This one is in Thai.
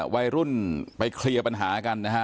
วัยรุ่นไปเคลียร์ปัญหากันนะฮะ